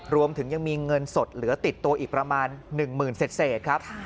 รวมถึงยังมีเงินสดเหลือติดตัวอีกประมาณ๑หมื่นเศษครับ